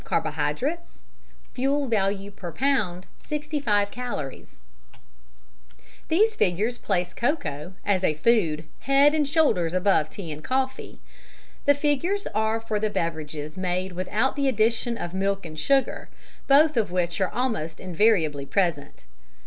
6 0.9 1.1 65 These figures place cocoa, as a food, head and shoulders above tea and coffee. The figures are for the beverages made without the addition of milk and sugar, both of which are almost invariably present.